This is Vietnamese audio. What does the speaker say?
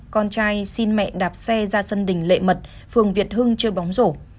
con trai xin mẹ đạp xe ra sân đình lệ mật phường việt hưng chơi bóng rổ